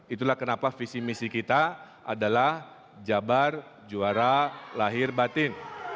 itulah kenapa visi misi kita adalah jabar juara lahir batin